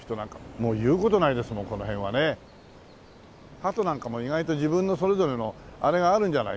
ハトなんかも意外と自分のそれぞれのあれがあるんじゃない？